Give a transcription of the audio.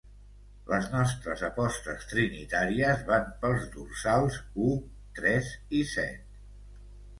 Les nostres apostes trinitàries van pels dorsals u, tres i set.